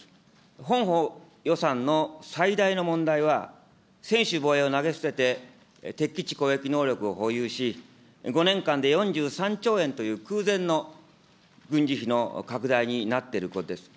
本法予算の最大の問題は、専守防衛を投げ捨てて、敵基地攻撃能力を保有し、５年間で４３兆円という空前の軍事費の拡大になっていることです。